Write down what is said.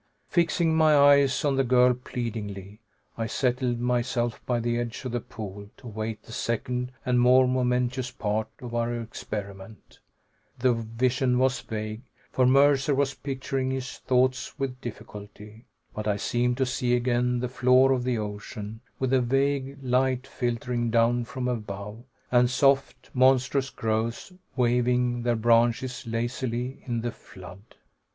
Fixing my eyes on the girl pleadingly, I settled myself by the edge of the pool to await the second and more momentous part of our experiment. The vision was vague, for Mercer was picturing his thoughts with difficulty. But I seemed to see again the floor of the ocean, with the vague light filtering down from above, and soft, monstrous growths waving their branches lazily in the flood.